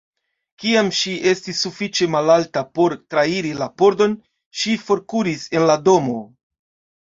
Kiam ŝi estis sufiĉe malalta por trairi la pordon, ŝi forkuris el la domo.